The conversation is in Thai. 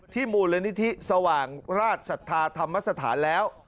มูลนิธิสว่างราชศรัทธาธรรมสถานแล้ว